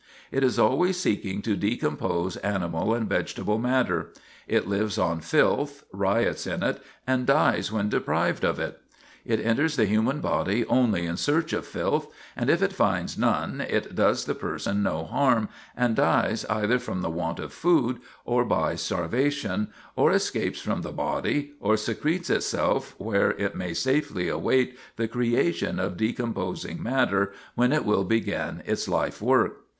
It is always seeking to decompose animal and vegetable matter. It lives on filth, riots in it, and dies when deprived of it. It enters the human body only in search of filth, and if it finds none it does the person no harm, and dies either from the want of food or by starvation, or escapes from the body, or secretes itself where it may safely await the creation of decomposing matter, when it will begin its life work.